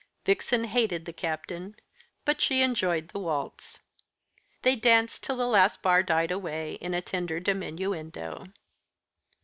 Vixen hated the Captain, but she enjoyed the waltz. They danced till the last bar died away in a tender diminuendo.